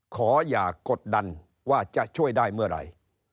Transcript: ขออย่ากดดันว่าจะช่วยได้เมื่อไหร่